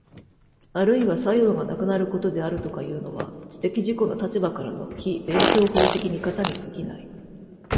あるいは作用がなくなることであるとかいうのは、知的自己の立場からの非弁証法的見方に過ぎない。